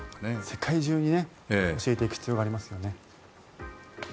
世界中に教えていく必要がありますよね。